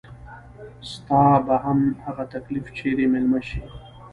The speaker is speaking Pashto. ستا به هم هغه تکليف چري ميلمه شي